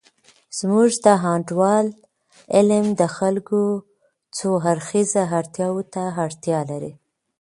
زمونږ د انډول علم د خلګو څو اړخیزه اړتیاوو ته اړتیا لري.